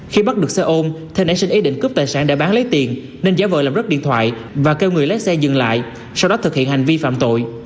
khi bắt được xe ôm thay nãy xin ý định cướp tài sản để bán lấy tiền nên giả vợ làm rớt điện thoại và kêu người lấy xe dừng lại sau đó thực hiện hành vi phạm tội